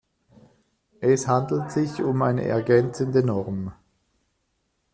Es handelt sich um eine ergänzende Norm.